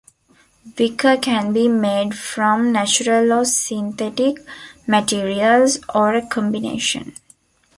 Wicker can be made from natural or synthetic materials, or a combination.